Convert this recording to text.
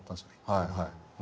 はいはい。